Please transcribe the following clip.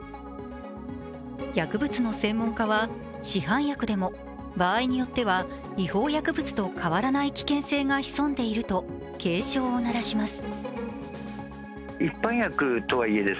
薬物の専門家は、市販薬でも場合によっては違法薬物と変わらない危険性が潜んでいると警鐘を鳴らします。